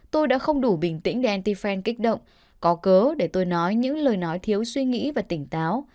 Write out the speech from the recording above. tôi đã không đủ bình tĩnh để anti fan kích động có cớ để tôi nói những lời nói thiếu suy nghĩ và tỉnh táo